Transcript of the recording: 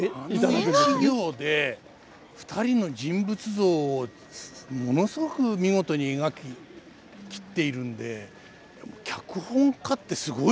あの一行で２人の人物像をものすごく見事に描き切っているんで脚本家ってすごいですね。